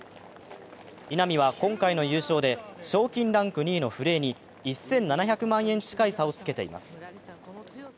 稲見は今回の優勝で賞金ランク２位の古江に１７００万円近い差をつけています。